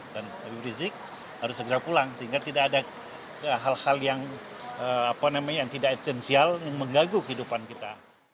dan rizik harus segera pulang sehingga tidak ada hal hal yang tidak esensial yang menggaguh kehidupan kita